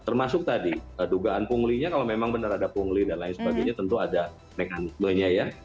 termasuk tadi dugaan punglinya kalau memang benar ada pungli dan lain sebagainya tentu ada mekanismenya ya